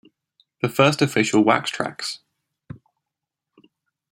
The first official Wax Trax!